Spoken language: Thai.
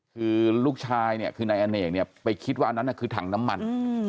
คือลูกชายเนี่ยคือนายอเนกเนี่ยไปคิดว่าอันนั้นคือถังน้ำมัน